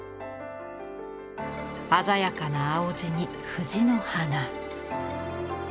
鮮やかな青地に藤の花。